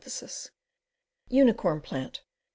Unicorn Plant.